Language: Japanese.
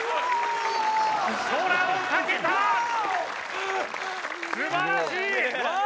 空を駆けた！素晴らしい！